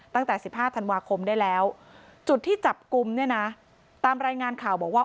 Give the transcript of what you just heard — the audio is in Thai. ตั้งแต่๑๕ธันวาคมได้แล้วจุดที่จับกลุ่มเนี่ยนะตามรายงานข่าวบอกว่า